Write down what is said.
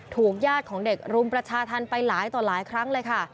ญาติของเด็กรุมประชาธรรมไปหลายต่อหลายครั้งเลยค่ะ